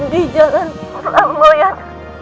di jalan flamboyan